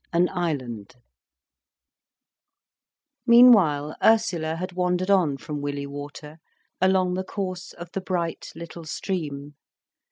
AN ISLAND Meanwhile Ursula had wandered on from Willey Water along the course of the bright little stream.